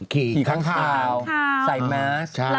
ขี่ข้างคาวใส่แมส